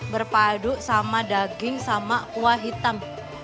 berpadu sama daging sama kuah hitam